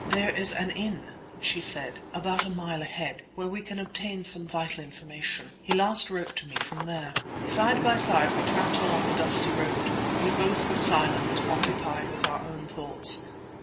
"There is an inn," she said, "about a mile ahead, where we can obtain some vital information. He last wrote to me from there." Side by side we tramped along the dusty road. We both were silent, occupied with our own thoughts.